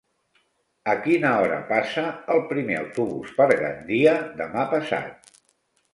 A quina hora passa el primer autobús per Gandia demà passat?